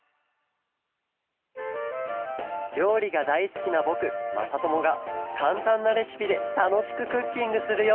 りょうりがだいすきなぼくまさともがかんたんなレシピでたのしくクッキングするよ